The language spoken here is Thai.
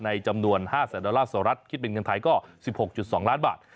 จำนวน๕แสนดอลลาร์สหรัฐคิดเป็นเงินไทยก็๑๖๒ล้านบาท